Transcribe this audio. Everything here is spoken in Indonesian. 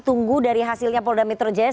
tunggu dari hasilnya polda metro jaya